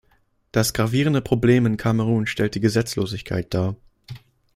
Das gravierende Problem in Kamerun stellt die Gesetzlosigkeit dar.